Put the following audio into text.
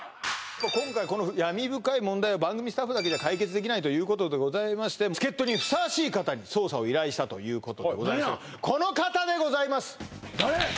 今回この闇深い問題を番組スタッフだけじゃ解決できないということでございまして助っ人にふさわしい方に捜査を依頼したということでこの方でございます誰！？